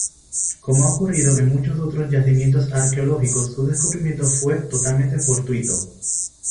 Como ha ocurrido en muchos otros yacimientos arqueológicos, su descubrimiento fue totalmente fortuito.